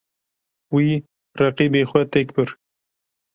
Wî, reqîbê xwe têk bir.